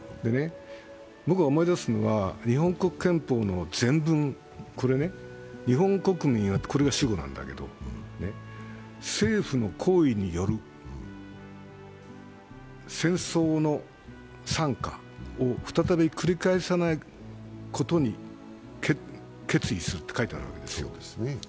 僕が思い出すのは日本国憲法の前文、「日本国民は」というのが主語なんだけど、政府の行為による戦争の惨禍を再び繰り返さないことに決意すると書いてあるんですよ。